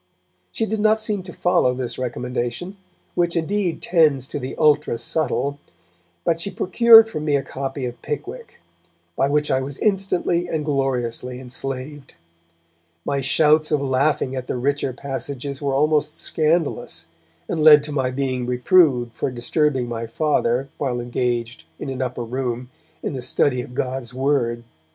She did not seem to follow this recommendation, which indeed tends to the ultra subtle, but she procured for me a copy of Pickwick, by which I was instantly and gloriously enslaved. My shouts of laughing at the richer passages were almost scandalous, and led to my being reproved for disturbing my Father while engaged, in an upper room, in the study of God's Word.